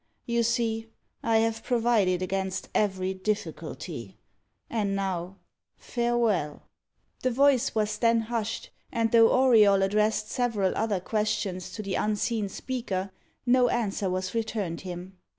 You see I have provided against every difficulty. And now, farewell!" The voice was then hushed; and though Auriol addressed several other questions to the unseen speaker, no answer was returned him.